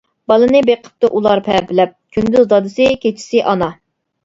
بالىنى بېقىپتۇ ئۇلار پەپىلەپ، كۈندۈز دادىسى كېچىسى ئانا.